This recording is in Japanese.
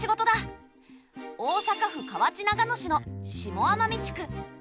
大阪府河内長野市の下天見地区。